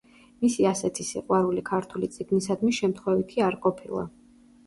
მისი ასეთი სიყვარული ქართული წიგნისადმი შემთხვევითი არ ყოფილა.